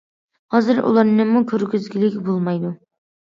ھازىر ئۇلارنىمۇ كىرگۈزگىلى بولمايدۇ.